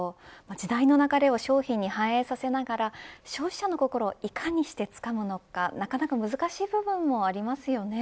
時代の流れを商品に反映させながら消費者の心をいかにしてつかむのかなかなか難しい部分もありますよね。